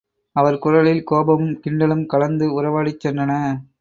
அவர் குரலில் கோபமும் கிண்டலும் கலந்து உறவாடிச் சென்றன.